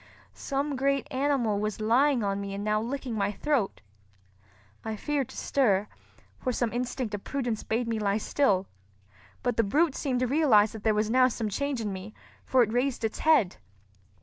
Some great animal was lying on me and now licking my throat. I feared to stir, for some instinct of prudence bade me lie still; but the brute seemed to realize that there was now some change in me, for it raised its head.